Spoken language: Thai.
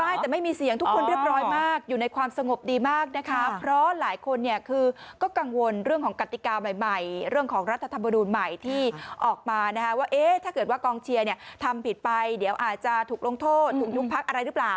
ได้แต่ไม่มีเสียงทุกคนเรียบร้อยมากอยู่ในความสงบดีมากนะคะเพราะหลายคนเนี่ยคือก็กังวลเรื่องของกติกาใหม่เรื่องของรัฐธรรมนูลใหม่ที่ออกมานะคะว่าเอ๊ะถ้าเกิดว่ากองเชียร์เนี่ยทำผิดไปเดี๋ยวอาจจะถูกลงโทษถูกยุบพักอะไรหรือเปล่า